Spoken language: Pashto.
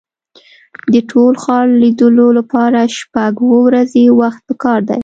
د ټول ښار لیدلو لپاره شپږ اوه ورځې وخت په کار دی.